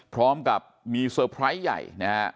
พร้อมกับมีเซอร์ไพรส์ใหญ่นะฮะ